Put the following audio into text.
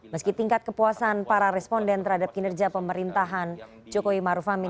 meski tingkat kepuasan para responden terhadap kinerja pemerintahan jokowi maruf amin